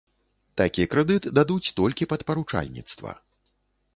Такі крэдыт дадуць толькі пад паручальніцтва.